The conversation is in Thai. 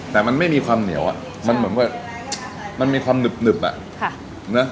แต่มันไม่มีความเหนียวอ่ะมันเหมือนว่ามันมีความหนึบอ่ะนะ